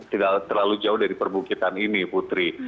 tidak terlalu jauh dari perbukitan ini putri